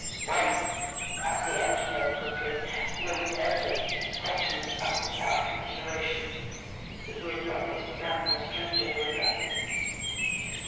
"When?" asked the engineer quickly, and it was evident that this question was uttered without consideration, for he had not yet examined the stranger who addressed him.